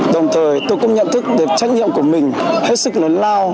đồng thời tôi cũng nhận thức được trách nhiệm của mình hết sức lớn lao